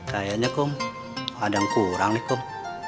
kayaknya kom ada yang kurang nih kom